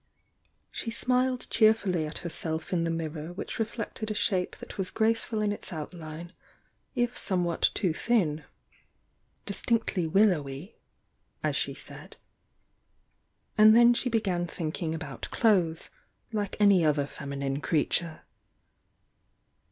.She smiled cheerfully at herself in the mirror which reflected a shape that was graceful in its outline if some i.'hat too thin — "distinctly willowy" as she said — and then she began thinking about clothes, like any other feminine creature.